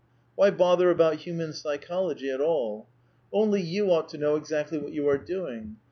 Why bother about human psychology at all? Only you VITALISM 63 ought to know exactly what you are doing.